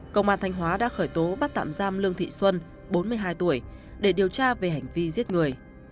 công an thanh hóa đã khởi tố bắt tạm giam lương thị xuân bốn mươi hai tuổi để điều tra về hành vi giết người